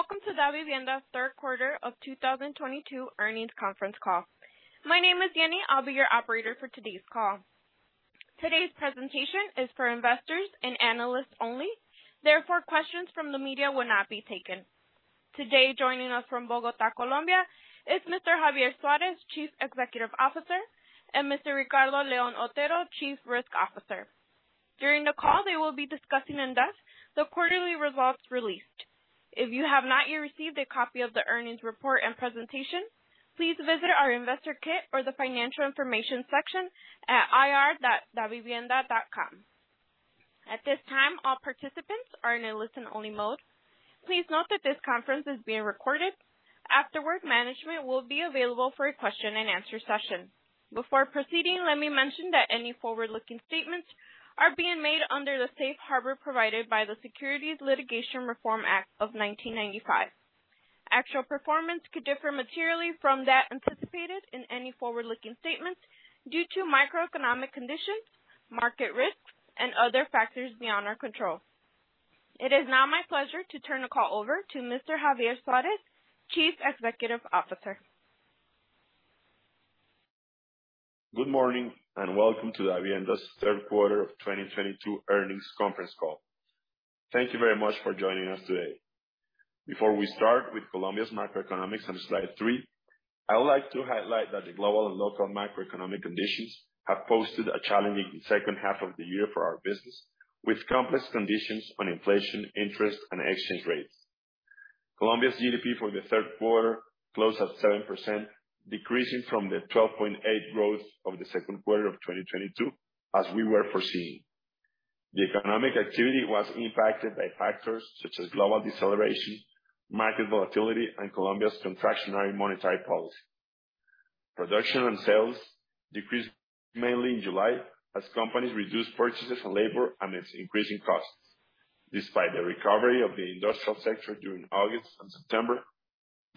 Welcome to Davivienda's Third Quarter of 2022 Earnings Conference Call. My name is Jenny, I'll be your operator for today's call. Today's presentation is for investors and analysts only. Questions from the media will not be taken. Today, joining us from Bogota, Colombia is Mr. Javier Suárez, Chief Executive Officer, and Mr. Ricardo León Otero, Chief Risk Officer. During the call, they will be discussing in-depth the quarterly results released. If you have not yet received a copy of the earnings report and presentation, please visit our investor kit or the financial information section at ir.davivienda.com. At this time, all participants are in a listen-only mode. Please note that this conference is being recorded. Afterward, management will be available for a question and answer session. Before proceeding, let me mention that any forward-looking statements are being made under the safe harbor provided by the Securities Litigation Reform Act of 1995. Actual performance could differ materially from that anticipated in any forward-looking statements due to macroeconomic conditions, market risks, and other factors beyond our control. It is now my pleasure to turn the call over to Mr. Javier Suárez, Chief Executive Officer. Good morning and welcome to Davivienda's Third Quarter of 2022 Earnings Conference Call. Thank you very much for joining us today. Before we start with Colombia's macroeconomics on slide three, I would like to highlight that the global and local macroeconomic conditions have posted a challenging second half of the year for our business, with complex conditions on inflation, interest, and exchange rates. Colombia's GDP for the third quarter closed at 7%, decreasing from the 12.8% growth of the second quarter of 2022, as we were foreseeing. The economic activity was impacted by factors such as global deceleration, market volatility, and Colombia's contractionary monetary policy. Production and sales decreased mainly in July as companies reduced purchases and labor amidst increasing costs. Despite the recovery of the industrial sector during August and September,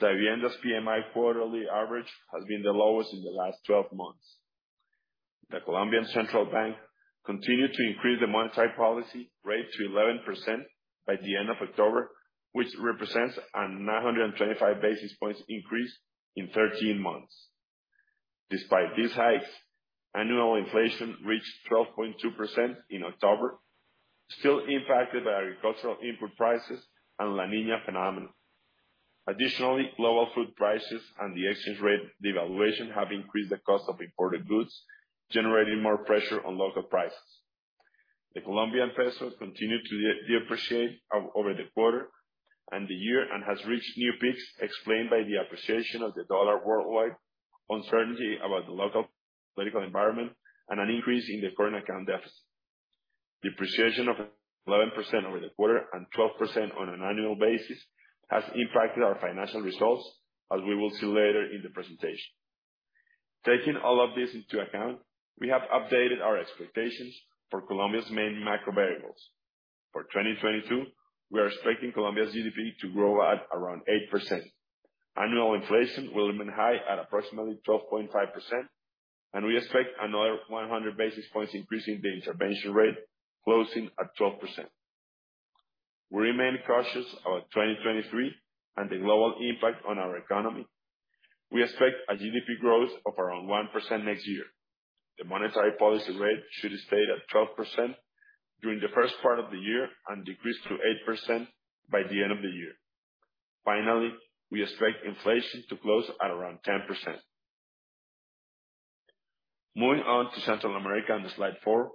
Davivienda's PMI quarterly average has been the lowest in the last 12 months. The Colombian Central Bank continued to increase the monetary policy rate to 11% by the end of October, which represents a 925 basis points increase in 13 months. Despite these hikes, annual inflation reached 12.2% in October, still impacted by agricultural input prices and La Niña phenomenon. Global food prices and the exchange rate devaluation have increased the cost of imported goods, generating more pressure on local prices. The Colombian peso continued to depreciate over the quarter and the year, has reached new peaks explained by the appreciation of the dollar worldwide, uncertainty about the local political environment, and an increase in the current account deficit. Depreciation of 11% over the quarter and 12% on an annual basis has impacted our financial results, as we will see later in the presentation. Taking all of this into account, we have updated our expectations for Colombia's main macro variables. For 2022, we are expecting Colombia's GDP to grow at around 8%. Annual inflation will remain high at approximately 12.5%. We expect another 100 basis points increase in the intervention rate, closing at 12%. We remain cautious about 2023 and the global impact on our economy. We expect a GDP growth of around 1% next year. The monetary policy rate should stay at 12% during the first part of the year and decrease to 8% by the end of the year. Finally, we expect inflation to close at around 10%. Moving on to Central America on slide four,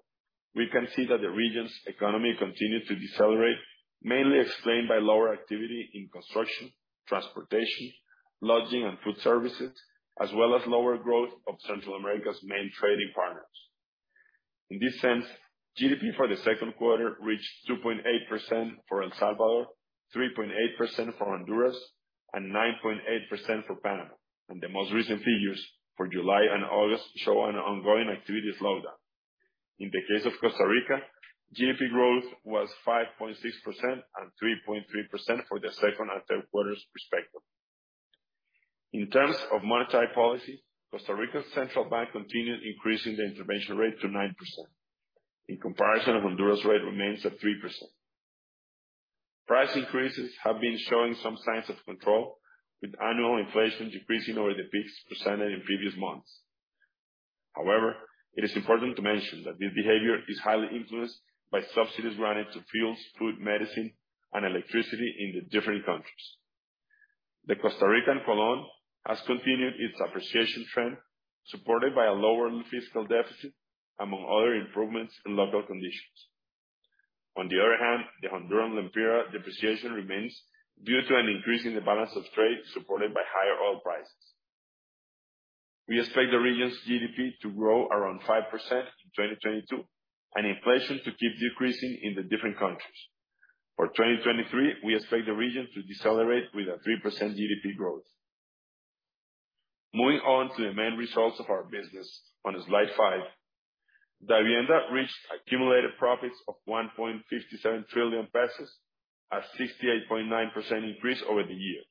we can see that the region's economy continued to decelerate, mainly explained by lower activity in construction, transportation, lodging, and food services, as well as lower growth of Central America's main trading partners. In this sense, GDP for the second quarter reached 2.8% for El Salvador, 3.8% for Honduras, and 9.8% for Panama, and the most recent figures for July and August show an ongoing activities slowdown. In the case of Costa Rica, GDP growth was 5.6% and 3.3% for the second and third quarters respectively. In terms of monetary policy, Costa Rica's Central Bank continued increasing the intervention rate to 9%. In comparison, Honduras rate remains at 3%. Price increases have been showing some signs of control, with annual inflation decreasing over the peaks presented in previous months. However, it is important to mention that this behavior is highly influenced by subsidies granted to fuels, food, medicine, and electricity in the different countries. The Costa Rican colon has continued its appreciation trend, supported by a lower fiscal deficit, among other improvements in local conditions. On the other hand, the Honduran lempira depreciation remains due to an increase in the balance of trade supported by higher oil prices. We expect the region's GDP to grow around 5% in 2022, and inflation to keep decreasing in the different countries. For 2023, we expect the region to decelerate with a 3% GDP growth. Moving on to the main results of our business on slide five. Davivienda reached accumulated profits of COP 1.57 trillion, a 68.9% increase over the year.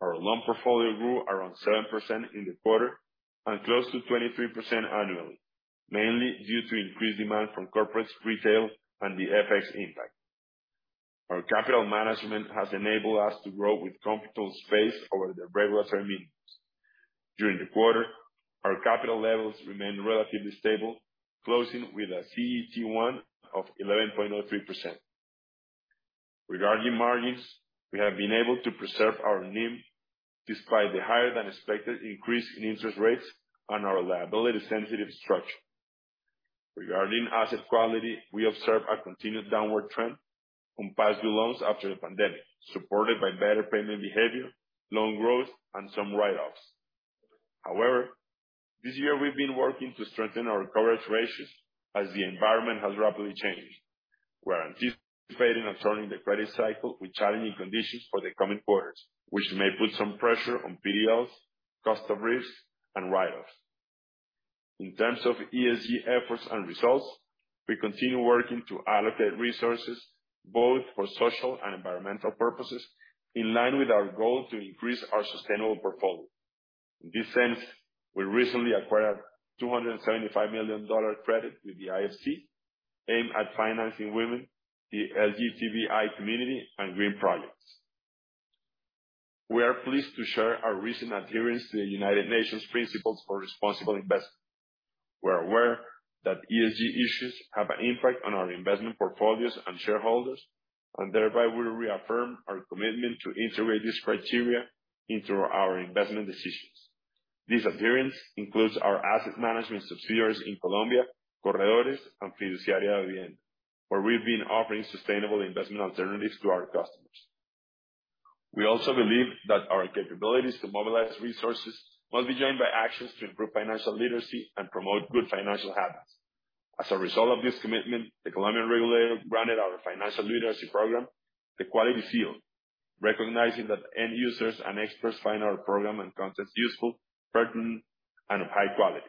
Our loan portfolio grew around 7% in the quarter and close to 23% annually, mainly due to increased demand from corporates, retail and the FX impact. Our capital management has enabled us to grow with comfortable space over the regulatory minimums. During the quarter, our capital levels remained relatively stable, closing with a CET1 of 11.03%. Regarding margins, we have been able to preserve our NIM despite the higher than expected increase in interest rates and our liability sensitive structure. Regarding asset quality, we observe a continued downward trend from past due loans after the pandemic, supported by better payment behavior, loan growth, and some write-offs. This year we've been working to strengthen our coverage ratios as the environment has rapidly changed. We're anticipating turning the credit cycle with challenging conditions for the coming quarters, which may put some pressure on PDLs, cost of risk, and write-offs. In terms of ESG efforts and results, we continue working to allocate resources both for social and environmental purposes in line with our goal to increase our sustainable portfolio. In this sense, we recently acquired $275 million credit with the IFC aimed at financing women, the LGTBI community, and green projects. We are pleased to share our recent adherence to the United Nations Principles for Responsible Investment. We're aware that ESG issues have an impact on our investment portfolios and shareholders, thereby we reaffirm our commitment to integrate this criteria into our investment decisions. This adherence includes our asset management subsidiaries in Colombia, Corredores, and Fiduciaria Davivienda, where we've been offering sustainable investment alternatives to our customers. We also believe that our capabilities to mobilize resources must be joined by actions to improve financial literacy and promote good financial habits. As a result of this commitment, the Colombian regulator granted our financial literacy program the Quality Seal, recognizing that end users and experts find our program and content useful, pertinent, and of high quality.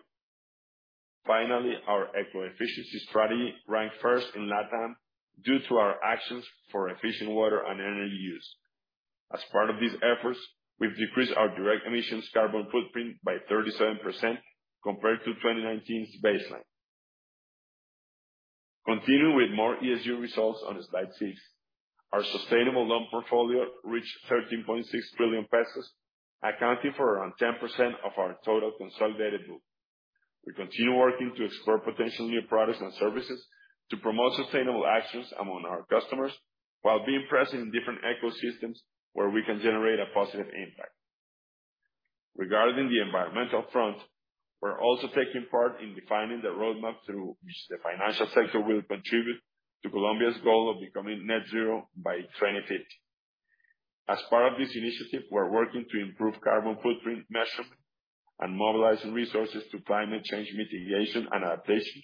Finally, our eco-efficiency strategy ranked first in LATAM due to our actions for efficient water and energy use. As part of these efforts, we've decreased our direct emissions carbon footprint by 37% compared to 2019's baseline. Continuing with more ESG results on slide six. Our sustainable loan portfolio reached COP 13.6 billion, accounting for around 10% of our total consolidated book. We continue working to explore potential new products and services to promote sustainable actions among our customers, while being present in different ecosystems where we can generate a positive impact. Regarding the environmental front, we're also taking part in defining the roadmap through which the financial sector will contribute to Colombia's goal of becoming net zero by 2050. As part of this initiative, we're working to improve carbon footprint measurement and mobilizing resources to climate change mitigation and adaptation,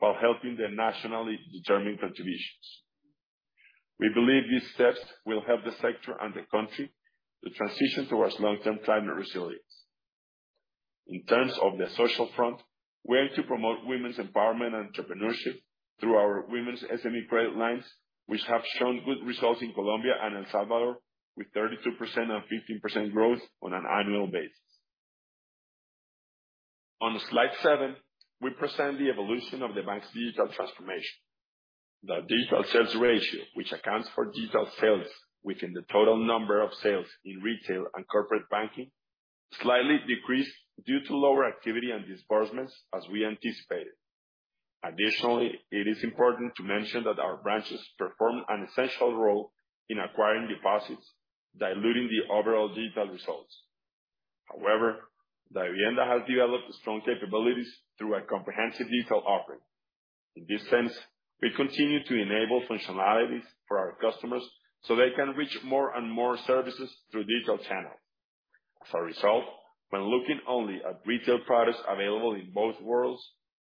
while helping the nationally determined contributions. We believe these steps will help the sector and the country to transition towards long-term climate resilience. In terms of the social front, we aim to promote women's empowerment and entrepreneurship through our women's SME credit lines, which have shown good results in Colombia and El Salvador with 32% and 15% growth on an annual basis. On slide seven, we present the evolution of the bank's digital transformation. The digital sales ratio, which accounts for digital sales within the total number of sales in retail and corporate banking, slightly decreased due to lower activity and disbursements, as we anticipated. It is important to mention that our branches perform an essential role in acquiring deposits, diluting the overall digital results. Davivienda has developed strong capabilities through a comprehensive digital offering. In this sense, we continue to enable functionalities for our customers so they can reach more and more services through digital channels. As a result, when looking only at retail products available in both worlds,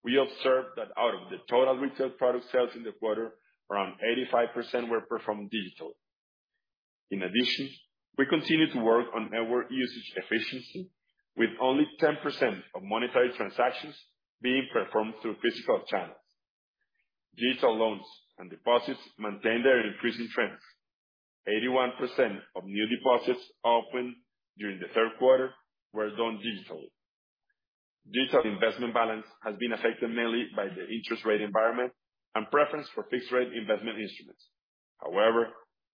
we observe that out of the total retail product sales in the quarter, around 85% were performed digitally. In addition, we continue to work on network usage efficiency with only 10% of monetary transactions being performed through physical channels. Digital loans and deposits maintain their increasing trends. 81% of new deposits opened during the third quarter were done digitally. Digital investment balance has been affected mainly by the interest rate environment and preference for fixed rate investment instruments.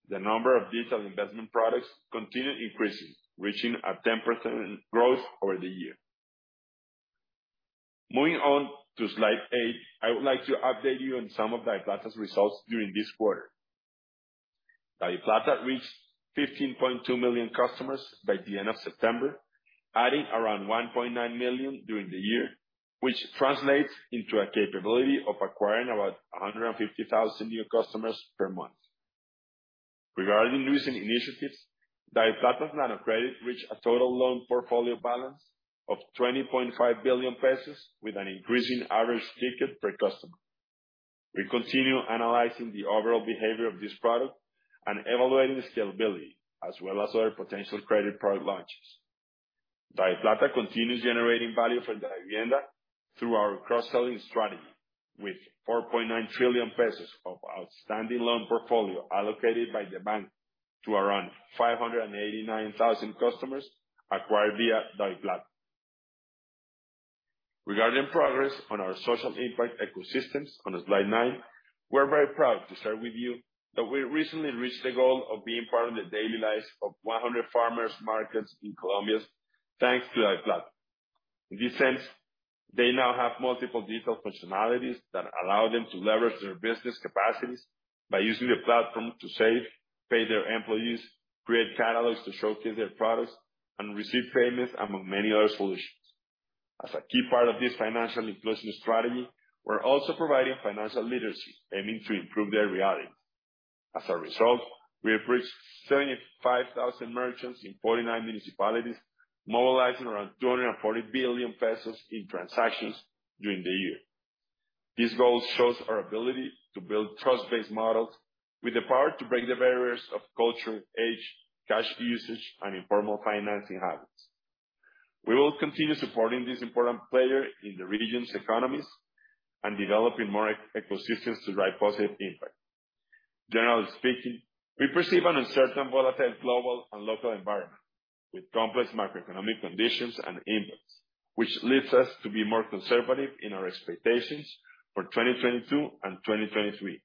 The number of digital investment products continue increasing, reaching a 10% growth over the year. Moving on to slide eight, I would like to update you on some of DaviPlata's results during this quarter. DaviPlata reached 15.2 million customers by the end of September, adding around 1.9 million during the year, which translates into a capability of acquiring about 150,000 new customers per month. Regarding recent initiatives, DaviPlata Nanocrédito reached a total loan portfolio balance of COP 20.5 billion with an increasing average ticket per customer. We continue analyzing the overall behavior of this product and evaluating the scalability as well as other potential credit product launches. DaviPlata continues generating value for Davivienda through our cross-selling strategy, with COP 4.9 trillion of outstanding loan portfolio allocated by the bank to around 589,000 customers acquired via DaviPlata. Regarding progress on our social impact ecosystems on slide nine, we're very proud to share with you that we recently reached the goal of being part of the daily lives of 100 farmers markets in Colombia, thanks to DaviPlata. In this sense, they now have multiple digital functionalities that allow them to leverage their business capacities by using the platform to save, pay their employees, create catalogs to showcase their products, and receive payments, among many other solutions. As a key part of this financial inclusion strategy, we're also providing financial literacy, aiming to improve their reality. As a result, we have reached 75,000 merchants in 49 municipalities, mobilizing around COP 240 billion in transactions during the year. This goal shows our ability to build trust-based models with the power to break the barriers of culture, age, cash usage, and informal financing habits. We will continue supporting this important player in the region's economies and developing more e-ecosystems to drive positive impact. Generally speaking, we perceive an uncertain, volatile global and local environment with complex macroeconomic conditions and inputs, which leads us to be more conservative in our expectations for 2022 and 2023.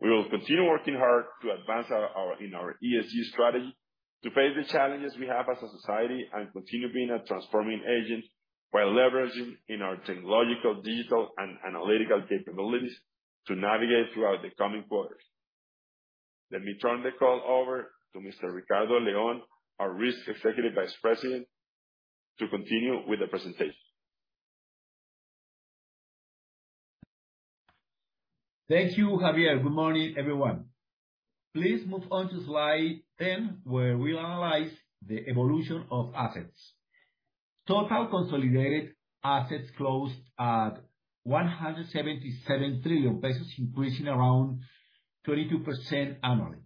We will continue working hard to advance our, in our ESG strategy to face the challenges we have as a society and continue being a transforming agent while leveraging in our technological, digital, and analytical capabilities to navigate throughout the coming quarters. Let me turn the call over to Mr. Ricardo León, our Risk Executive Vice President, to continue with the presentation. Thank you, Javier. Good morning, everyone. Please move on to slide 10, where we analyze the evolution of assets. Total consolidated assets closed at COP 177 trillion, increasing around 32% annually.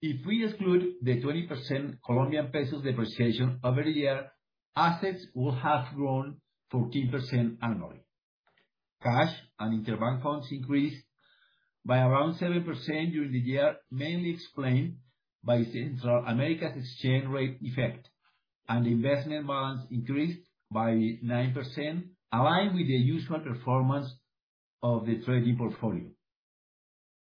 If we exclude the 20% Colombian pesos depreciation over the year, assets would have grown 14% annually. Cash and interbank funds increased by around 7% during the year, mainly explained by Central America's exchange rate effect, and investment balance increased by 9%, aligned with the usual performance of the trading portfolio.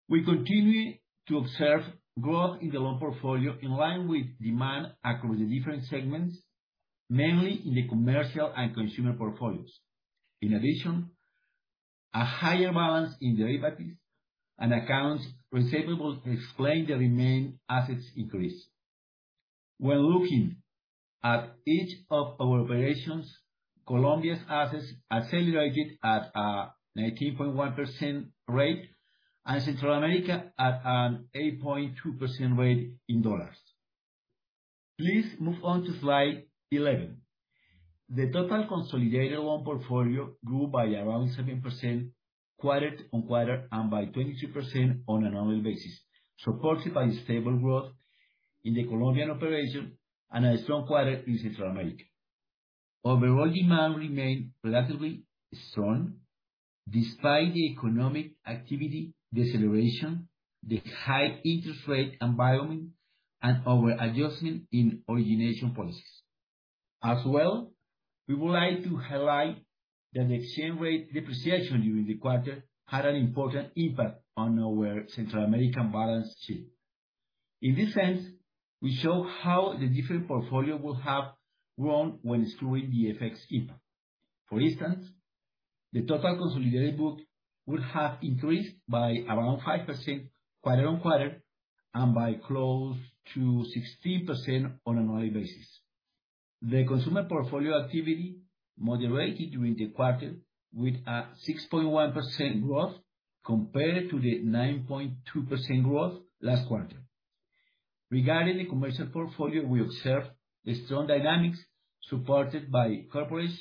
We continue to observe growth in the loan portfolio in line with demand across the different segments, mainly in the commercial and consumer portfolios. In addition, a higher balance in derivatives and accounts receivable explain the remaining assets increase. When looking at each of our operations, Colombia's assets accelerated at a 19.1% rate, and Central America at an 8.2% rate in $. Please move on to slide 11. The total consolidated loan portfolio grew by around 7% quarter-on-quarter and by 22% on an annual basis, supported by stable growth in the Colombian operation and a strong quarter in Central America. Overall demand remained relatively strong despite the economic activity deceleration, the high interest rate environment, and our adjustment in origination policies. As well, we would like to highlight that the exchange rate depreciation during the quarter had an important impact on our Central American balance sheet. In this sense, we show how the different portfolio would have grown when excluding the FX impact. For instance, the total consolidated book would have increased by around 5% quarter-over-quarter and by close to 16% on an annual basis. The consumer portfolio activity moderated during the quarter with a 6.1% growth compared to the 9.2% growth last quarter. Regarding the commercial portfolio, we observed the strong dynamics supported by corporates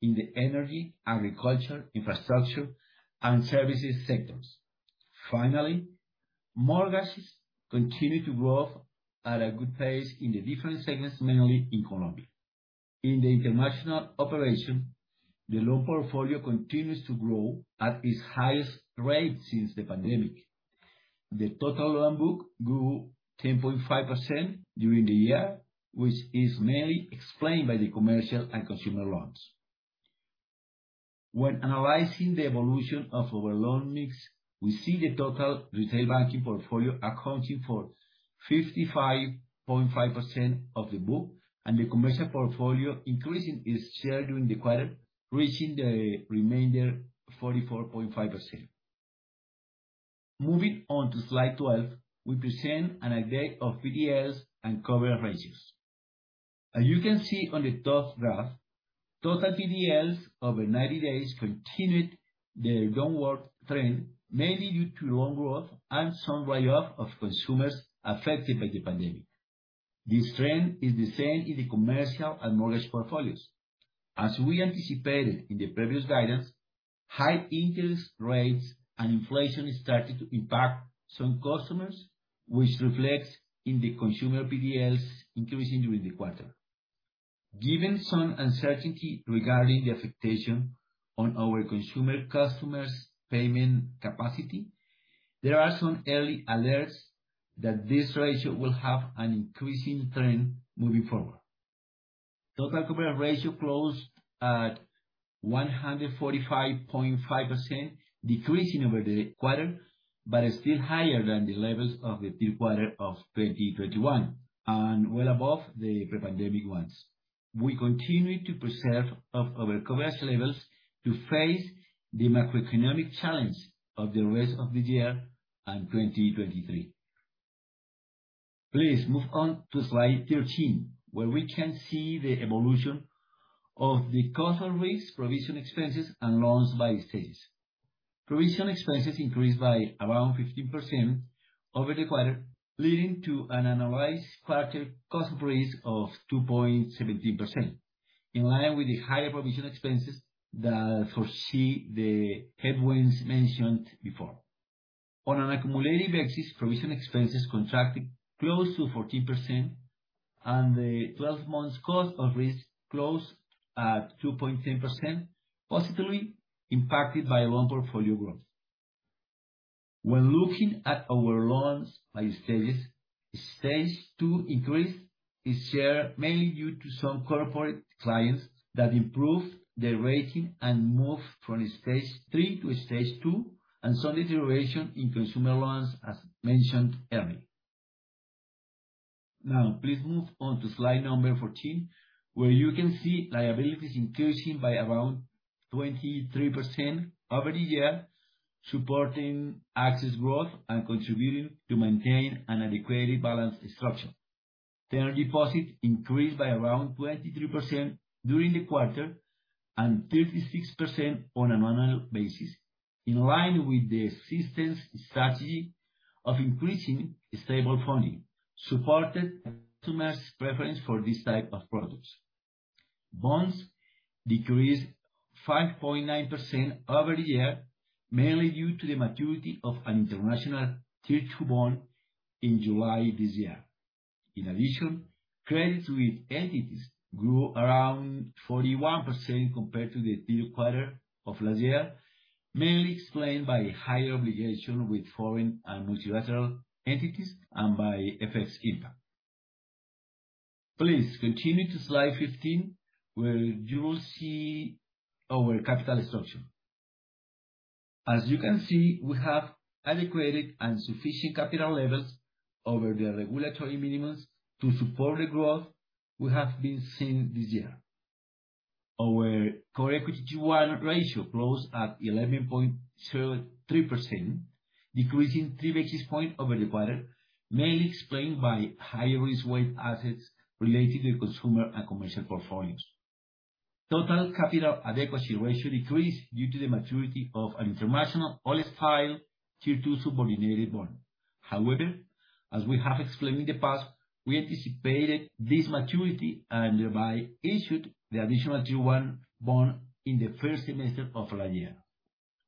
in the energy, agriculture, infrastructure, and services sectors. Finally, mortgages continued to grow at a good pace in the different segments, mainly in Colombia. In the international operation, the loan portfolio continues to grow at its highest rate since the pandemic. The total loan book grew 10.5% during the year, which is mainly explained by the commercial and consumer loans. When analyzing the evolution of our loan mix, we see the total retail banking portfolio accounting for 55.5% of the book, and the commercial portfolio increasing its share during the quarter, reaching the remainder 44.5%. Moving on to slide 12, we present an update of PDLs and cover ratios. You can see on the top graph, total PDLs over 90 days continued their downward trend, mainly due to loan growth and some write-off of consumers affected by the pandemic. This trend is the same in the commercial and mortgage portfolios. We anticipated in the previous guidance. High interest rates and inflation started to impact some customers, which reflects in the consumer PDLs increasing during the quarter. Given some uncertainty regarding the affectation on our consumer customers' payment capacity, there are some early alerts that this ratio will have an increasing trend moving forward. Total coverage ratio closed at 145.5, decreasing over the quarter, but is still higher than the levels of the third quarter of 2021, and well above the pre-pandemic ones. We continue to preserve of our coverage levels to face the macroeconomic challenge of the rest of the year and 2023. Please move on to slide 13, where we can see the evolution of the cost of risk provision expenses and loans by stage. Provision expenses increased by around 15% over the quarter, leading to an analyzed quarter cost of risk of 2.17%, in line with the higher provision expenses that foresee the headwinds mentioned before. On an accumulated basis, provision expenses contracted close to 14% and the 12 months cost of risk closed at 2.10%, positively impacted by loan portfolio growth. When looking at our loans by stages, stage 2 increase is shared mainly due to some corporate clients that improved their rating and moved from stage 3 to stage 2, and some deterioration in consumer loans, as mentioned earlier. Please move on to slide number 14, where you can see liabilities increasing by around 23% over the year, supporting access growth and contributing to maintain an adequately balanced structure. Term deposits increased by around 23% during the quarter and 36% on an annual basis, in line with the existing strategy of increasing stable funding, supported by customers' preference for these type of products. Bonds decreased 5.9% over the year, mainly due to the maturity of an international Tier 2 bond in July this year. In addition, credits with entities grew around 41% compared to the third quarter of last year, mainly explained by higher obligation with foreign and multilateral entities and by FX impact. Please continue to slide 15, where you will see our capital structure. As you can see, we have adequate and sufficient capital levels over the regulatory minimums to support the growth we have been seeing this year. Our core equity tier 1 ratio closed at 11.03%, decreasing 3 basis points over the quarter, mainly explained by higher risk weight assets relating to consumer and commercial portfolios. Total capital adequacy ratio decreased due to the maturity of an international ex-life tier two subordinated bond. As we have explained in the past, we anticipated this maturity and thereby issued the additional tier 1 bond in the first semester of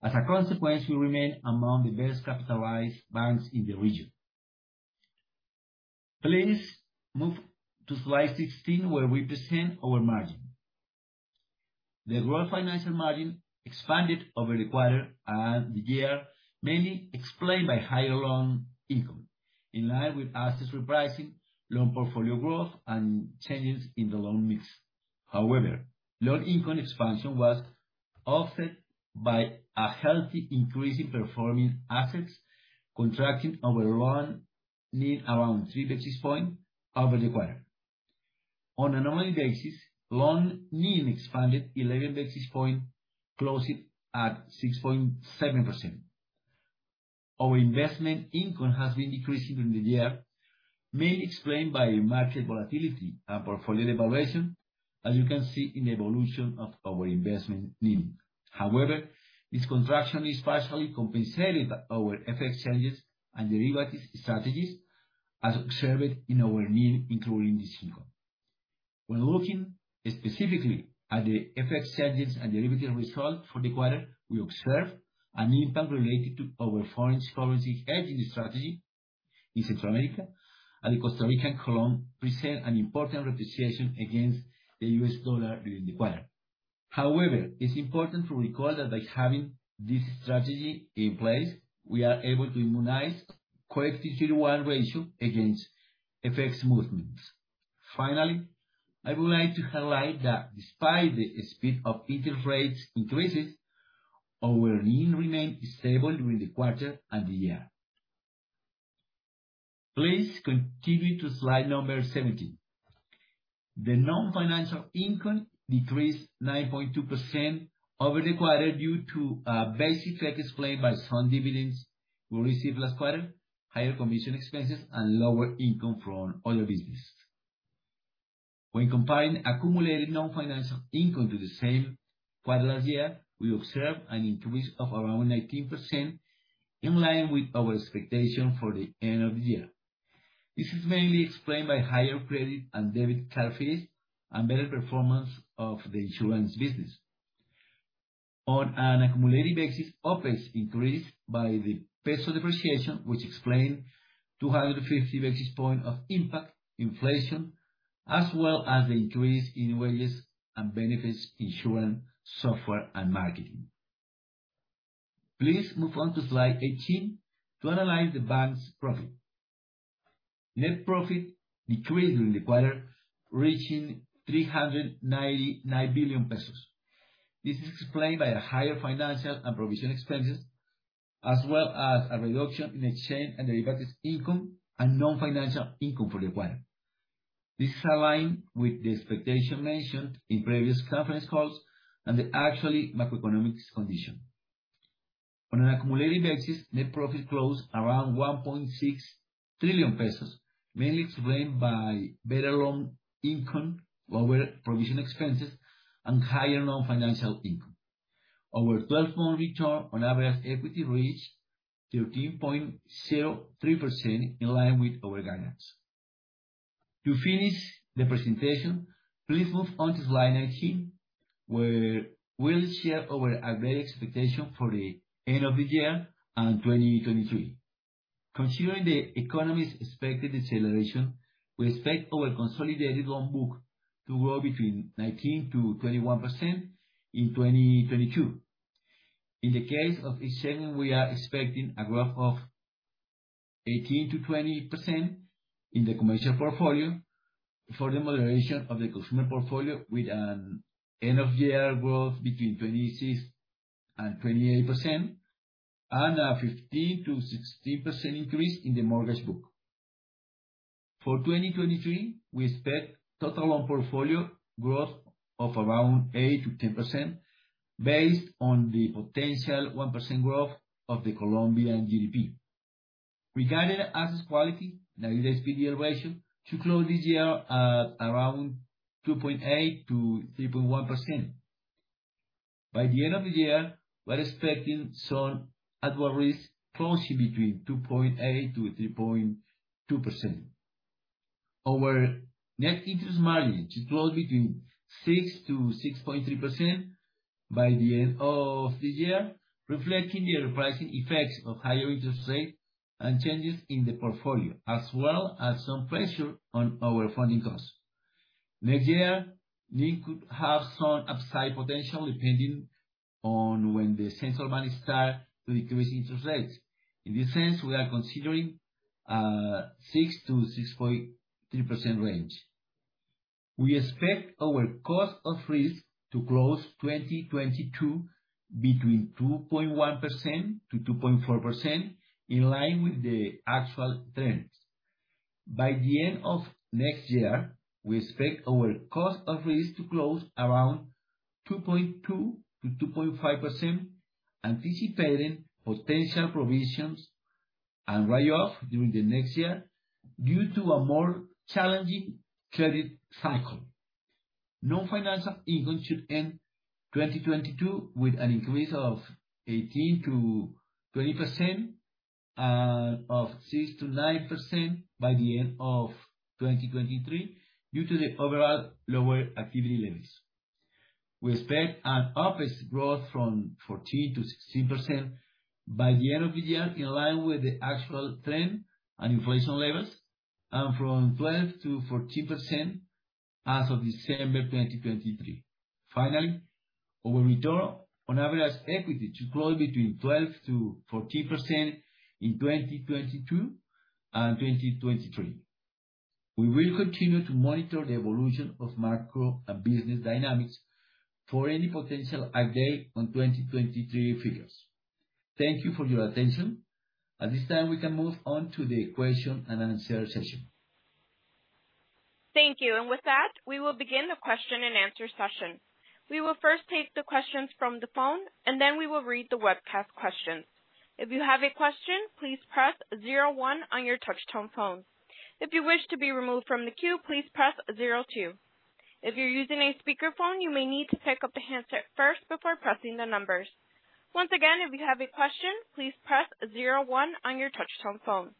last year. We remain among the best capitalized banks in the region. Please move to slide 16 where we present our margin. The gross financial margin expanded over the quarter and the year, mainly explained by higher loan income, in line with assets repricing, loan portfolio growth, and changes in the loan mix. Loan income expansion was offset by a healthy increase in performing assets, contracting our loan NIM around 3 basis points over the quarter. On an annual basis, loan NIM expanded 11 basis points, closing at 6.7%. Our investment income has been decreasing during the year, mainly explained by market volatility and portfolio evaluation, as you can see in the evolution of our investment NIM. This contraction is partially compensated by our FX challenges and derivative strategies, as observed in our NIM, including this income. When looking specifically at the FX challenges and derivative result for the quarter, we observed an impact related to our foreign currency hedging strategy in Central America, and the Costa Rican colon present an important representation against the U.S. dollar during the quarter. However, it's important to recall that by having this strategy in place, we are able to immunize core equity tier 1 ratio against FX movements. Finally, I would like to highlight that despite the speed of interest rates increases, our NIM remained stable during the quarter and the year. Please continue to slide number 17. The non-financial income decreased 9.2% over the quarter due to basic factors explained by some dividends we received last quarter, higher commission expenses, and lower income from other business. When combining accumulated non-financial income to the same quarter last year, we observed an increase of around 19%, in line with our expectation for the end of the year. This is mainly explained by higher credit and debit card fees and better performance of the insurance business. On an accumulated basis, OpEx increased by the peso depreciation, which explained 250 basis point of impact inflation, as well as the increase in wages and benefits, insurance, software and marketing. Please move on to slide 18 to analyze the bank's profit. Net profit decreased during the quarter, reaching COP 399 billion. This is explained by a higher financial and provision expenses, as well as a reduction in exchange and derivatives income and non-financial income for the quarter. This is aligned with the expectation mentioned in previous conference calls and the actually macroeconomics condition. On an accumulated basis, net profit closed around COP 1.6 trillion, mainly explained by better loan income, lower provision expenses, and higher non-financial income. Our 12-month return on average equity reached 13.03%, in line with our guidance. To finish the presentation, please move on to slide 19, where we'll share our updated expectation for the end of the year and 2023. Considering the economy's expected deceleration, we expect our consolidated loan book to grow between 19%-21% in 2022. In the case of each segment, we are expecting a growth of 18%-20% in the commercial portfolio for the moderation of the consumer portfolio with an end of year growth between 26% and 28% and a 15%-16% increase in the mortgage book. For 2023, we expect total loan portfolio growth of around 8%-10% based on the potential 1% growth of the Colombian GDP. Regarding assets quality, 90 days PD ratio should close this year at around 2.8%-3.1%. By the end of the year, we're expecting some at-risk closing between 2.8%-3.2%. Our net interest margin should close between 6%-6.3% by the end of the year, reflecting the repricing effects of higher interest rate and changes in the portfolio, as well as some pressure on our funding costs. Next year, NIM could have some upside potential depending on when the central bank start to increase interest rates. In this sense, we are considering 6%-6.3% range. We expect our cost of risk to close 2022 between 2.1%-2.4% in line with the actual trends. By the end of next year, we expect our cost of risk to close around 2.2%-2.5%, anticipating potential provisions and write-off during the next year due to a more challenging credit cycle. Non-financial income should end 2022 with an increase of 18%-20%, of 6%-9% by the end of 2023 due to the overall lower activity levels. We expect an OpEx growth from 14%-16% by the end of the year, in line with the actual trend and inflation levels, and from 12%-14% as of December 2023. Our return on average equity should grow between 12%-14% in 2022 and 2023. We will continue to monitor the evolution of macro and business dynamics for any potential update on 2023 figures. Thank you for your attention. At this time, we can move on to the question and answer session. Thank you. With that, we will begin the question-and-answer session. We will first take the questions from the phone, then we will read the webcast questions. If you have a question, please press zero one on your touch tone phone. If you wish to be removed from the queue, please press zero two. If you're using a speakerphone, you may need to pick up the handset first before pressing the numbers. Once again, if you have a question, please press zero one on your touch tone phone.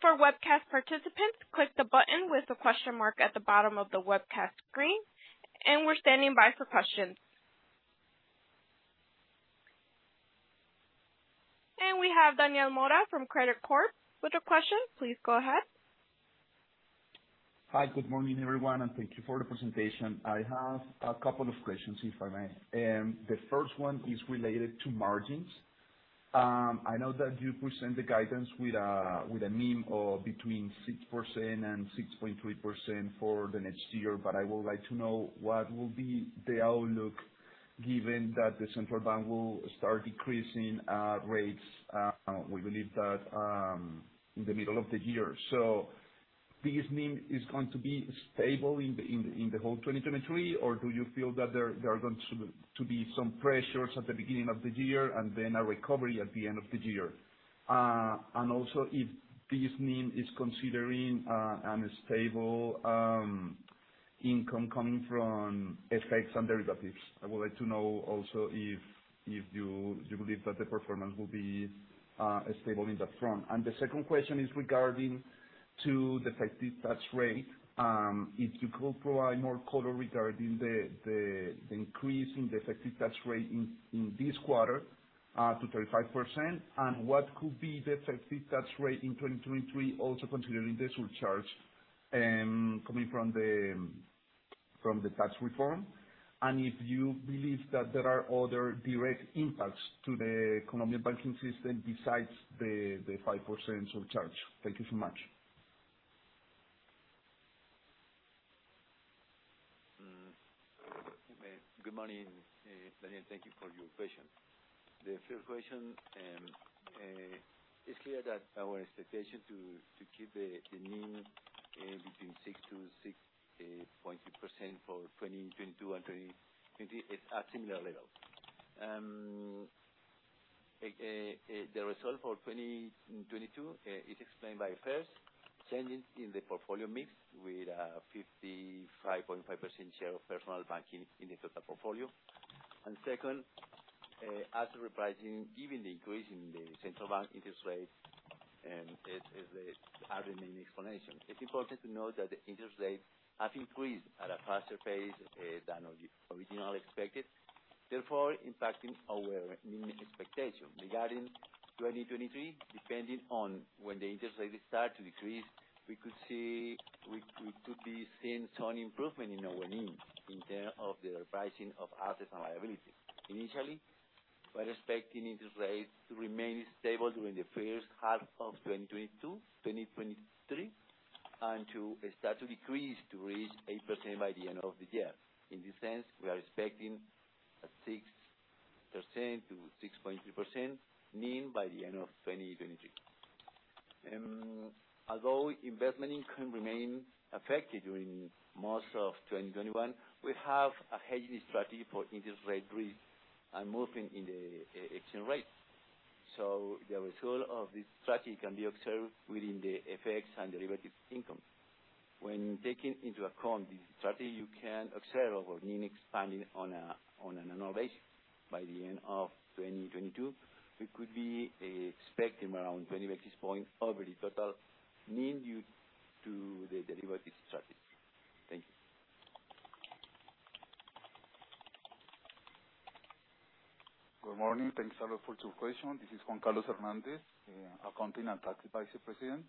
For webcast participants, click the button with the question mark at the bottom of the webcast screen. We're standing by for questions. We have Daniel Mora from Credicorp with a question. Please go ahead. Hi. Good morning, everyone, thank you for the presentation. I have a couple of questions, if I may. The first one is related to margins. I know that you present the guidance with a NIM of between 6% and 6.3% for the next year. I would like to know what will be the outlook given that the Central Bank will start decreasing rates, we believe that in the middle of the year. This NIM is going to be stable in the whole 2023, or do you feel that there are going to be some pressures at the beginning of the year and then a recovery at the end of the year? Also if this NIM is considering an stable income coming from FX and derivatives. I would like to know also if you believe that the performance will be stable in that front. The second question is regarding to the effective tax rate. If you could provide more color regarding the increase in the effective tax rate in this quarter to 35%, and what could be the effective tax rate in 2023, also considering the surcharge coming from the tax reform. If you believe that there are other direct impacts to the Colombian banking system besides the 5% surcharge. Thank you so much. Good morning, Daniel. Thank you for your question. The first question, it's clear that our expectation to keep the NIM between 6%-6.3% for 2021 and 2020 is at similar level. The result for 2022 is explained by, first, changes in the portfolio mix with a 55.5% share of personal banking in the total portfolio. Second, as repricing, given the increase in the central bank interest rates, are the main explanation. It's important to note that the interest rates have increased at a faster pace than originally expected, therefore impacting our NIM expectation. Regarding 2023, depending on when the interest rates start to decrease, we could see, we could be seeing some improvement in our NIM in terms of the repricing of assets and liabilities. Initially, we are expecting interest rates to remain stable during the first half of 2022, 2023, and to start to decrease to reach 8% by the end of the year. In this sense, we are expecting a 6% to 6.3% NIM by the end of 2023. Although investment income remain affected during most of 2021, we have a hedging strategy for interest rate risk and movement in the exchange rates. The result of this strategy can be observed within the FX and derivatives income. When taking into account this strategy, you can observe our NIM expanding on an annual basis. By the end of 2022, we could be expecting around 20 basis points over the total NIM due to the derivatives strategy. Thank you. Good morning. Thanks a lot for two question. This is Juan Carlos Hernández, Accounting and Taxes Vice President.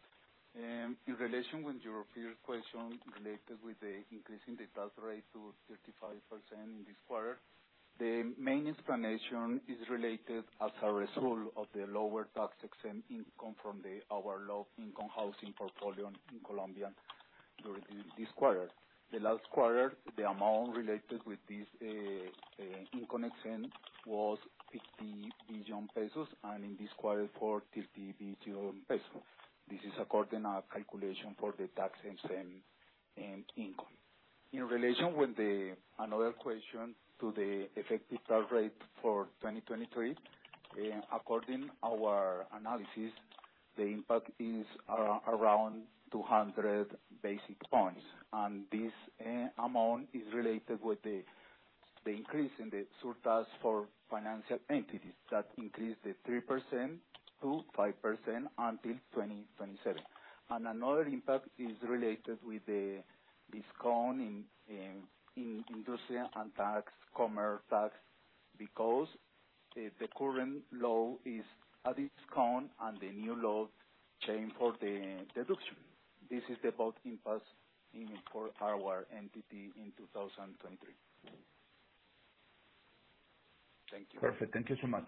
In relation with your first question related with the increase in the tax rate to 35% in this quarter, the main explanation is related as a result of the lower tax-exempt income from our low-income housing portfolio in Colombia during this quarter. The last quarter, the amount related with this income exemption was COP 50 billion, and in this quarter, COP 40 billion. This is according our calculation for the tax-exempt income. In relation with the another question to the effective tax rate for 2023, according our analysis, the impact is around 200 basic points. This amount is related with the increase in the surtax for financial entities. That increased the 3% to 5% until 2027. Another impact is related with the discount in industrial and tax, commerce tax, because, the current law is at its count, and the new law change for the deduction. This is the both impacts in, for our entity in 2023. Thank you. Perfect. Thank you so much.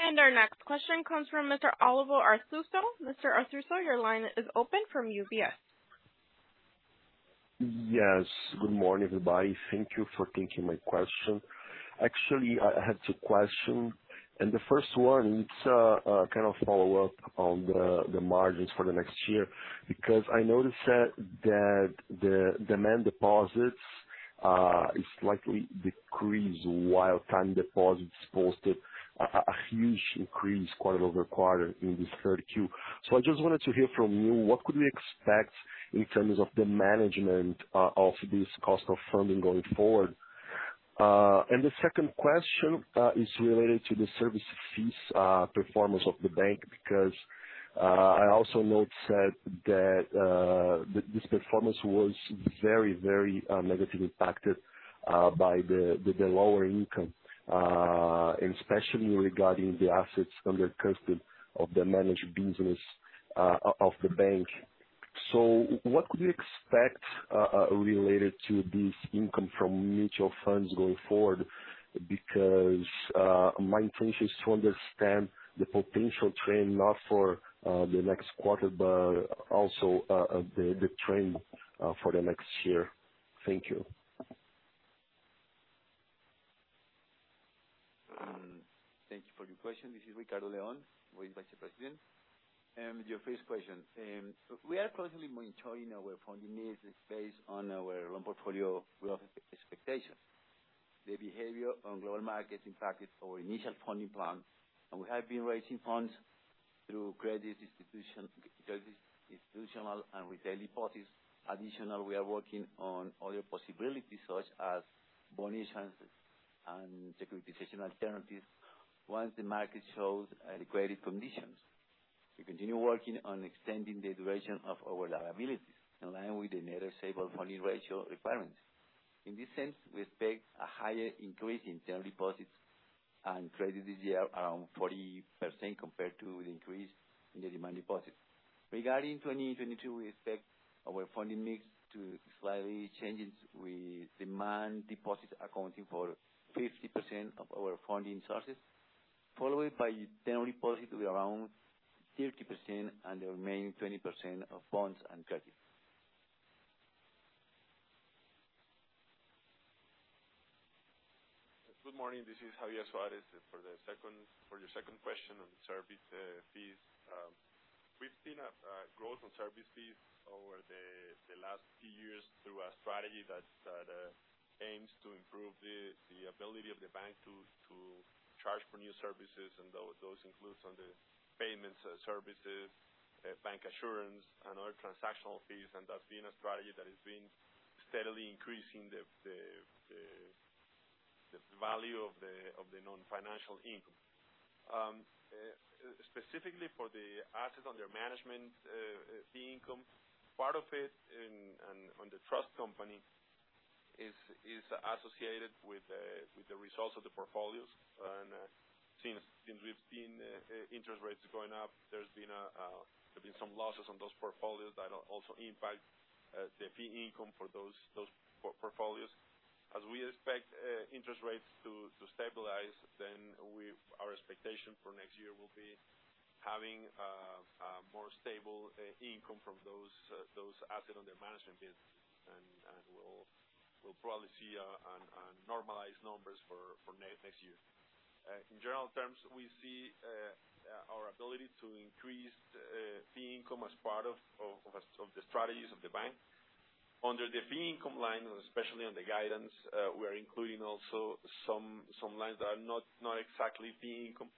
Our next question comes from Mr. Olavo Arthuzo. Mr. Arthuzo, your line is open from UBS. Yes. Good morning, everybody. Thank you for taking my question. Actually, I have two question, the first one it's a kind of follow-up on the margins for the next year because I noticed that the demand deposits is slightly decreased while time deposits posted a huge increase quarter-over-quarter in this third Q. I just wanted to hear from you, what could we expect in terms of the management of this cost of funding going forward? The second question is related to the service fees performance of the bank because I also noticed that this performance was very negatively impacted by the lower income, especially regarding the assets under custody of the managed business of the bank. What could we expect, related to this income from mutual funds going forward? Because, my intention is to understand the potential trend, not for the next quarter, but also, the trend for the next year. Thank you. Thank you for your question. This is Ricardo León, Risk Vice President. Your first question. We are constantly monitoring our funding needs based on our loan portfolio growth expectations. The behavior on global markets impacted our initial funding plan, and we have been raising funds through credit institution, institutional and retail deposits. Additional, we are working on other possibilities, such as bond issuance and securitization alternatives once the market shows adequate conditions. We continue working on extending the duration of our liabilities in line with the Net Stable Funding Ratio requirements. In this sense, we expect a higher increase in term deposits and credit this year, around 40% compared to the increase in the demand deposits. Regarding 2022, we expect our funding mix to slightly changes, with demand deposits accounting for 50% of our funding sources, followed by term deposits will be around 30% and the remaining 20% of bonds and credit. Good morning. This is Javier Suárez. For your second question on service fees. We've seen growth on service fees over the last few years through a strategy that aims to improve the ability of the bank to charge for new services. Those includes on the payments services, Bancassurance and other transactional fees. That's been a strategy that has been steadily increasing the value of the non-financial income. Specifically for the assets under management fee income, part of it on the trust company is associated with the results of the portfolios. And since 2015, interest rates has been going up, there's been some losses in those portfolio that also impact the fee income for those portfolios. As we expect interest rates to stabilize, then our expectation for next year will be having a more stable income from those assets and their management [team]. And will policy on normalized numbers for next year. General terms we see our ability to increase the fee income as part of the strategies of the bank. Under the fee income line especially on the guidance we're including also some, not exactly fee income.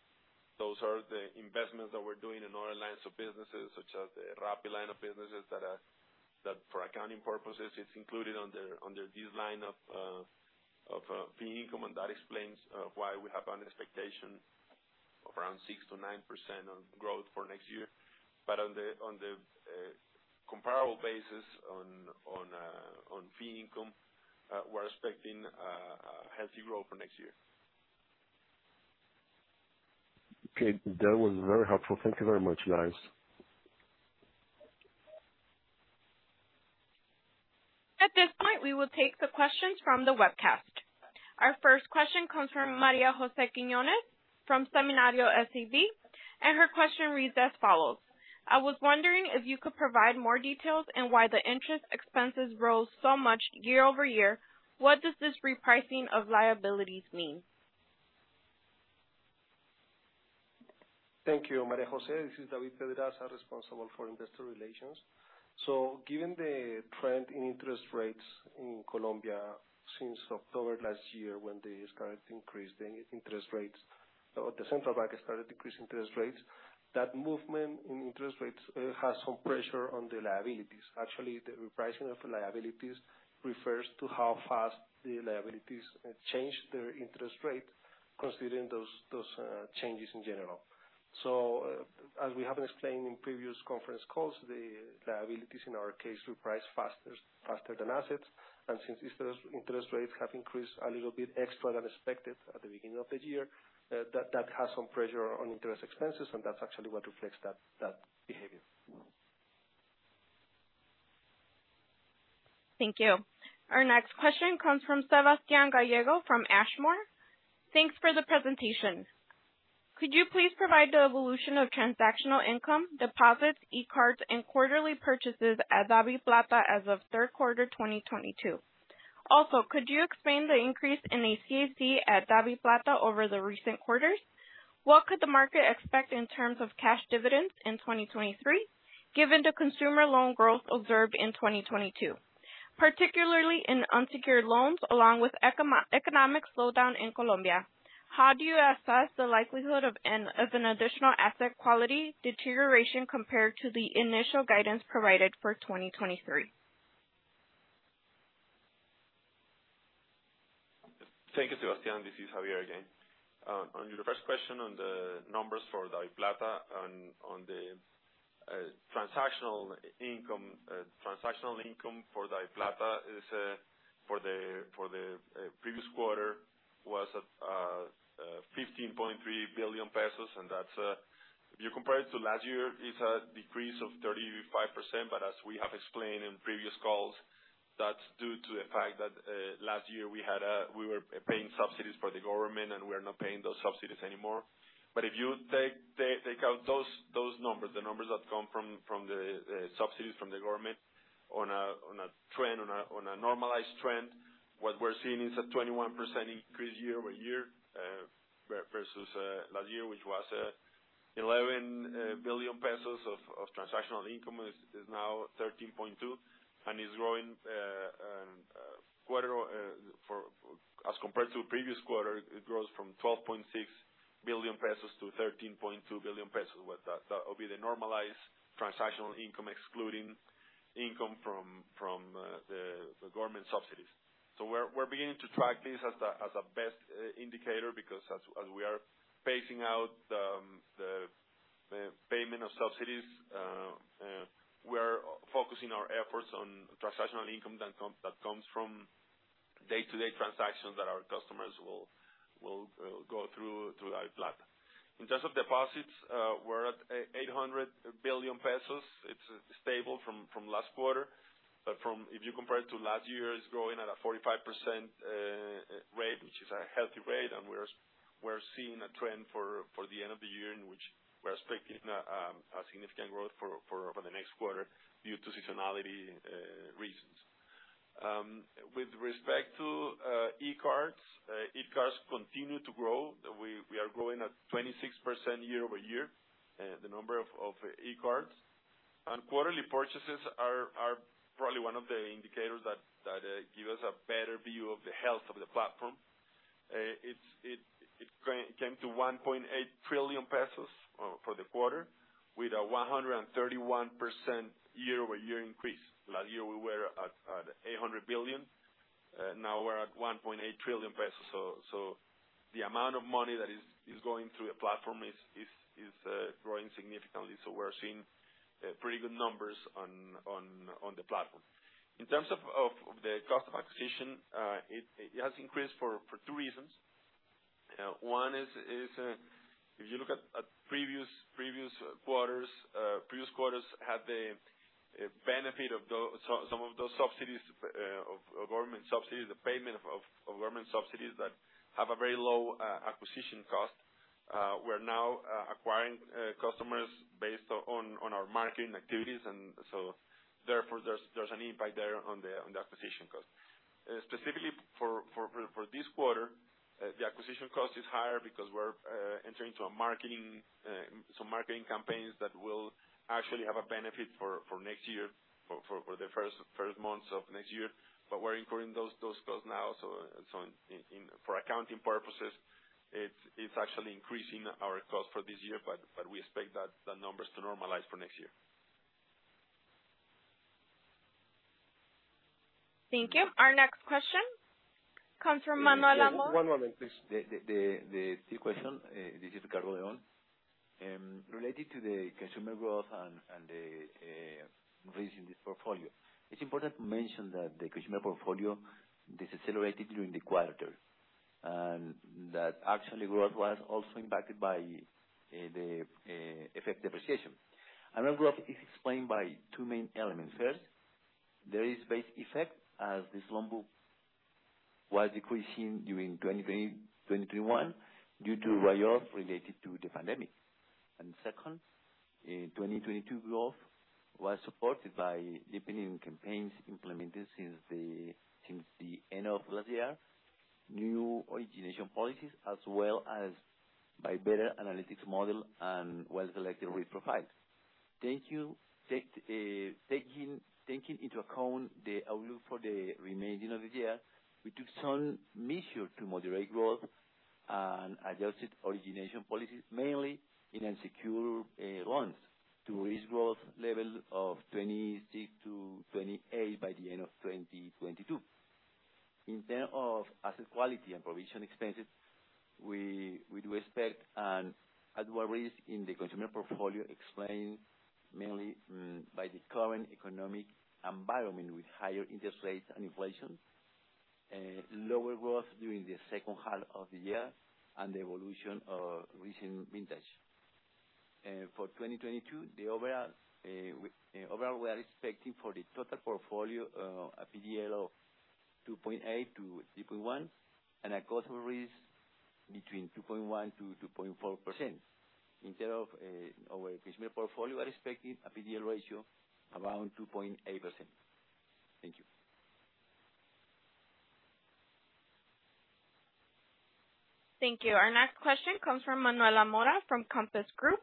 Those are the investments that we're doing in other lines of businesses, such as the Rappi line of businesses that for accounting purposes, it's included under this line of fee income. That explains why we have an expectation of around 6%-9% on growth for next year. On the comparable basis on fee income, we're expecting a healthy growth for next year. Okay. That was very helpful. Thank you very much, guys. At this point, we will take the questions from the webcast. Our first question comes from María-José Quiñones from Seminario SAB. Her question reads as follows: I was wondering if you could provide more details on why the interest expenses rose so much year-over-year. What does this repricing of liabilities mean? Thank you, María-José. This is David Pedraza, responsible for Investor Relations. Given the trend in interest rates in Colombia since October last year when they started to increase the interest rates or the Central Bank started to increase interest rates, that movement in interest rates has some pressure on the liabilities. Actually, the repricing of liabilities refers to how fast the liabilities change their interest rate considering those changes in general. As we have explained in previous conference calls, the liabilities in our case reprice faster than assets. Since interest rates have increased a little bit extra than expected at the beginning of the year, that has some pressure on interest expenses, and that's actually what reflects that behavior. Thank you. Our next question comes from Sebastian Gallego, from Ashmore. Thanks for the presentation. Could you please provide the evolution of transactional income, deposits, eCard, and quarterly purchases at DaviPlata as of third quarter 2022? Also, could you explain the increase in CAC at DaviPlata over the recent quarters? What could the market expect in terms of cash dividends in 2023, given the consumer loan growth observed in 2022, particularly in unsecured loans, along with eco-economic slowdown in Colombia? How do you assess the likelihood of an additional asset quality deterioration compared to the initial guidance provided for 2023? Thank you, Sebastian. This is Javier again. On your first question on the numbers for DaviPlata on the transactional income for DaviPlata is for the previous quarter was COP 15.3 billion. That's if you compare it to last year, it's a decrease of 35%. As we have explained in previous calls, that's due to the fact that last year we were paying subsidies for the government, and we're not paying those subsidies anymore. If you take out those numbers, the numbers that come from the subsidies from the government on a normalized trend, what we're seeing is a 21% increase year-over-year versus last year, which was COP 11 billion of transactional income is now COP 13.2 billion and is growing as compared to previous quarter, it grows from COP 12.6 billion to COP 13.2 billion. That will be the normalized transactional income, excluding income from the government subsidies. We're beginning to track this as the best indicator, because as we are phasing out the payment of subsidies, we're focusing our efforts on transactional income that comes from day-to-day transactions that our customers will go through our platform. In terms of deposits, we're at COP 800 billion. It's stable from last quarter. From, if you compare it to last year, it's growing at a 45% rate, which is a healthy rate. We're seeing a trend for the end of the year, in which we're expecting a significant growth for over the next quarter due to seasonality reasons. With respect to eCard continue to grow. We are growing at 26% year-over-year, the number of eCard. Quarterly purchases are probably one of the indicators that give us a better view of the health of the platform. It came to COP 1.8 trillion for the quarter, with a 131% year-over-year increase. Last year we were at COP 800 billion, now we're at COP 1.8 trillion. The amount of money that is going through our platform is growing significantly. We're seeing pretty good numbers on the platform. In terms of the cost of acquisition, it has increased for two reasons. One is, if you look at previous quarters, previous quarters had the benefit of some of those subsidies, of government subsidies, the payment of government subsidies that have a very low acquisition cost. We're now acquiring customers based on our marketing activities, therefore there's an impact there on the acquisition cost. Specifically for this quarter, the acquisition cost is higher because we're entering into a marketing, some marketing campaigns that will actually have a benefit for next year, for the first months of next year. We're including those costs now. In for accounting purposes, it's actually increasing our cost for this year, but we expect that the numbers to normalize for next year. Thank you. Our next question comes from Manuela Mora- One moment, please. The third question, this is Ricardo León. Related to the consumer growth and the recent portfolio, it's important to mention that the consumer portfolio decelerated during the quarter. That actually growth was also impacted by the effect depreciation. Another growth is explained by two main elements. First, there is base effect as this loan book was decreasing during 2023, 2021 due to write-off related to the pandemic. Second, in 2022 growth was supported by deepening campaigns implemented since the end of last year, new origination policies, as well as by better analytics model and well-selected risk profile. Thank you. Taking into account the outlook for the remaining of the year, we took some measure to moderate growth and adjusted origination policies, mainly in unsecured loans to reach growth level of 26%-28% by the end of 2022. In term of asset quality and provision expenses, we do expect an adverse risk in the consumer portfolio, explained mainly by the current economic environment with higher interest rates and inflation, lower growth during the second half of the year and the evolution of recent vintage. For 2022, overall, we are expecting for the total portfolio, a PDL of 2.8%-3.1% and a customer risk between 2.1%-2.4%. In term of, our consumer portfolio, we are expecting a PDL ratio around 2.8%. Thank you. Thank you. Our next question comes from Manuela Mora, from Compass Group.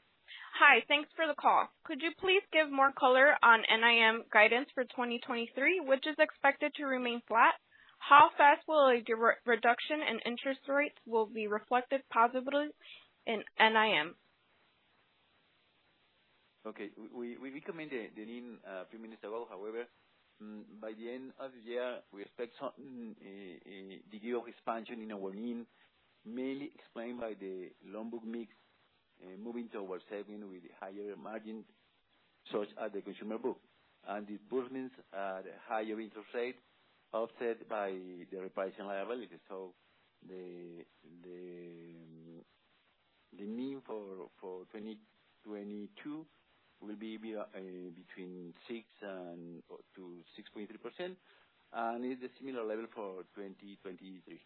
Hi, thanks for the call. Could you please give more color on NIM guidance for 2023, which is expected to remain flat? How fast will a reduction in interest rates be reflected positively in NIM? Okay. We recommended the NIM a few minutes ago. However, by the end of the year, we expect some degree of expansion in our NIM, mainly explained by the loan book mix, moving towards saving with higher margins, such as the consumer book. The improvements at higher interest rates offset by the repricing liabilities. The NIM for 2022 will be between 6% and 6.3%. It's a similar level for 2023.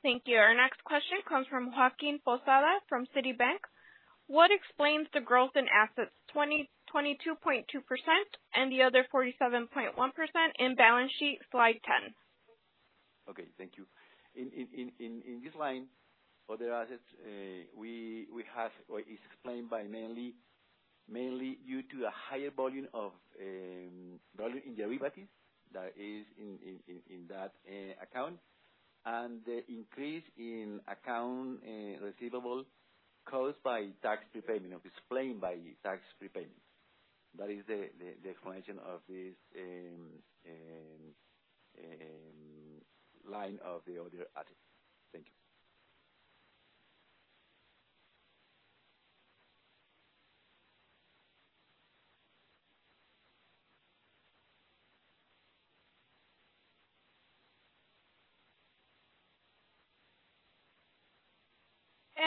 Thank you. Our next question comes from Joaquin Posada from Citibank. What explains the growth in assets 22.2% and the other 47.1% in balance sheet, slide 10? Okay, thank you. In this line, other assets, is explained by mainly due to a higher volume of volume in derivatives that is in that account. The increase in account receivable caused by tax prepayment, explained by tax prepayments. That is the explanation of this line of the other assets. Thank you.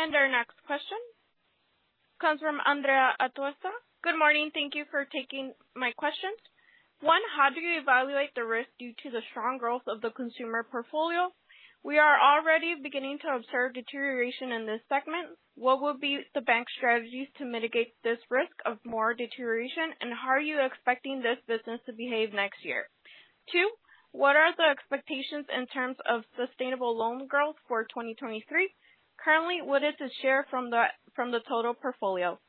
Our next question comes from Andrea Atuesta. Good morning. Thank you for taking my questions. One. How do you evaluate the risk due to the strong growth of the consumer portfolio? We are already beginning to observe deterioration in this segment. What will be the bank's strategies to mitigate this risk of more deterioration, and how are you expecting this business to behave next year? Two. What are the expectations in terms of sustainable loan growth for 2023? Currently, what is the share from the total portfolio?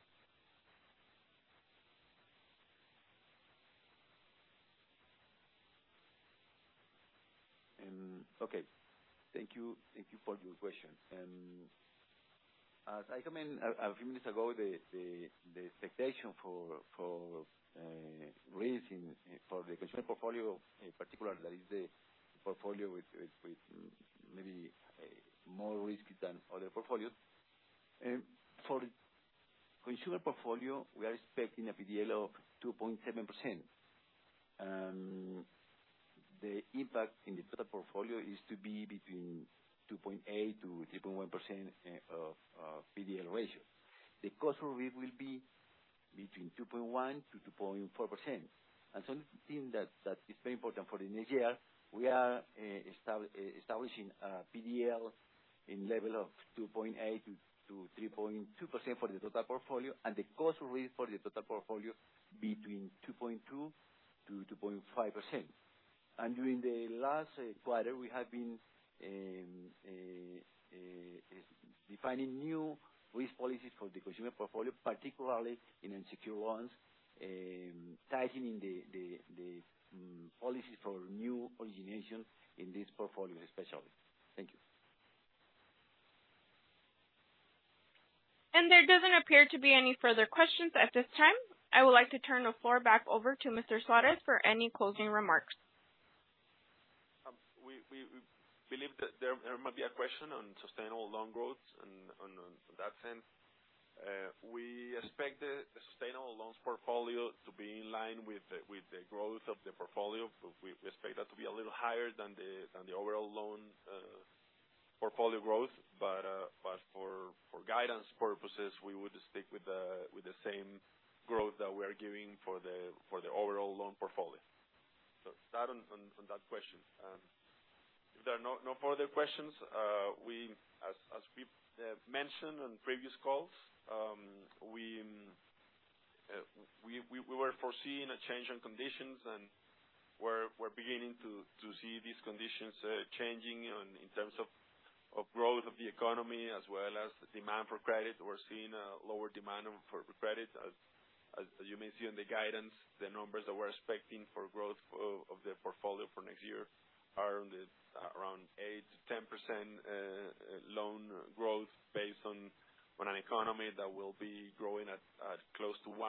Okay. Thank you. Thank you for your questions. As I commented a few minutes ago, the expectation for raising for the consumer portfolio in particular, that is the portfolio with maybe more risky than other portfolios. For consumer portfolio, we are expecting a PDL of 2.7%. The impact in the total portfolio is to be between 2.8%-3.1% of PDL ratio. The cost for it will be between 2.1%-2.4%. One thing that is very important for the next year, we are establishing a PDL in level of 2.8%-3.2% for the total portfolio, and the cost really for the total portfolio between 2.2%-2.5%. During the last quarter, we have been defining new risk policies for the consumer portfolio, particularly in unsecured ones, tightening the policies for new origination in this portfolio especially. Thank you. There doesn't appear to be any further questions at this time. I would like to turn the floor back over to Mr. Suárez for any closing remarks. We believe that there might be a question on sustainable loan growth, on that sense. We expect the sustainable loans portfolio to be in line with the growth of the portfolio. We expect that to be a little higher than the overall loan portfolio growth, but for guidance purposes, we would stick with the same growth that we are giving for the overall loan portfolio. That on that question. If there are no further questions, as we mentioned on previous calls, we were foreseeing a change in conditions, and we're beginning to see these conditions changing in terms of growth of the economy as well as demand for credit. We're seeing a lower demand for credit. As you may see on the guidance, the numbers that we're expecting for growth of the portfolio for next year are in the around 8%-10% loan growth based on an economy that will be growing at close to 1%.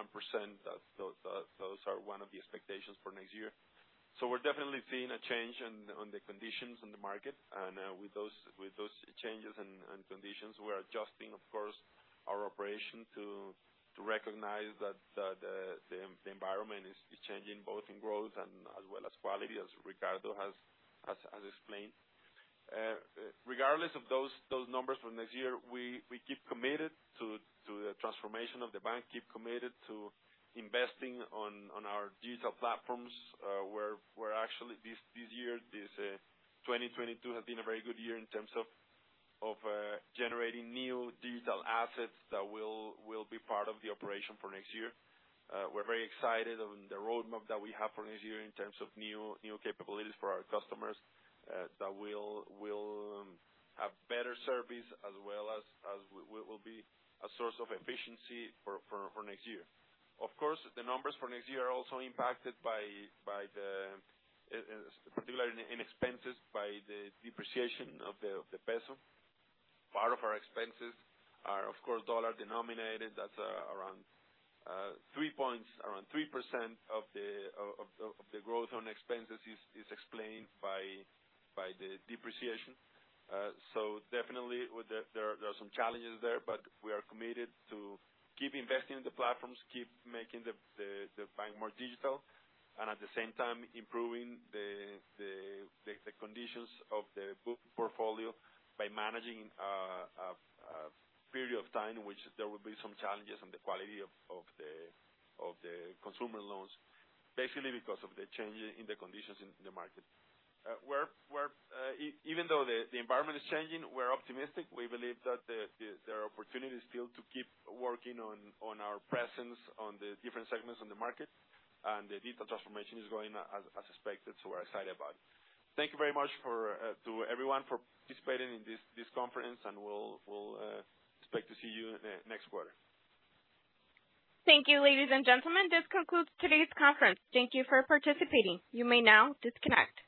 Those are one of the expectations for next year. We're definitely seeing a change on the conditions in the market. With those changes and conditions, we're adjusting, of course, our operation to recognize that the environment is changing, both in growth and as well as quality, as Ricardo has explained. Regardless of those numbers for next year, we keep committed to the transformation of the bank, keep committed to investing on our digital platforms, where actually this year, 2022, has been a very good year in terms of generating new digital assets that will be part of the operation for next year. We're very excited on the roadmap that we have for next year in terms of new capabilities for our customers, that will have better service as well as will be a source of efficiency for next year. Of course, the numbers for next year are also impacted by the particularly in expenses by the depreciation of the peso. Part of our expenses are of course dollar denominated. That's around three points, around 3% of the growth on expenses is explained by the depreciation. Definitely there are some challenges there, but we are committed to keep investing in the platforms, keep making the bank more digital, and at the same time improving the conditions of the book portfolio by managing a period of time in which there will be some challenges on the quality of the consumer loans, basically because of the change in the conditions in the market. We're even though the environment is changing, we're optimistic. We believe that there are opportunities still to keep working on our presence on the different segments on the market. The digital transformation is going as expected. We're excited about it. Thank you very much for to everyone for participating in this conference. We'll expect to see you next quarter. Thank you, ladies and gentlemen. This concludes today's conference. Thank you for participating. You may now disconnect.